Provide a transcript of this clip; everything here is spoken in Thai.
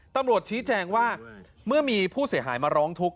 ตำรวจชี้แจงว่าเมื่อมีผู้เสียหายมาร้องทุกข